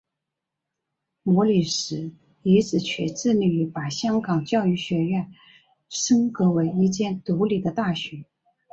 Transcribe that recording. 莫礼时一直却致力于把香港教育学院升格为一间独立的大学。